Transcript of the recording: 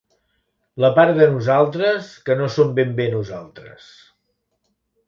La part de nosaltres que no som ben bé nosaltres.